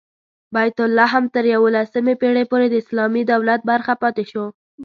بیت لحم تر یوولسمې پېړۍ پورې د اسلامي دولت برخه پاتې شو.